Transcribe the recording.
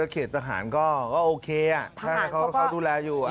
เขตทหารก็โอเคถ้าเขาดูแลอยู่